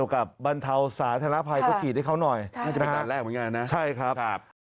ครับ